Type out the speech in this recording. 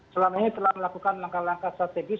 selama ini telah melakukan langkah langkah strategis